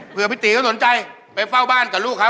เผื่อพี่ตี๋มันเศร้าใจใส่ฟ่าวบ้านกับลูกเค้า